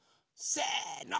せの！